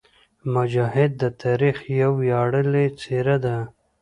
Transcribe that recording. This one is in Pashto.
مجاهد د تاریخ یوه ویاړلې څېره ده.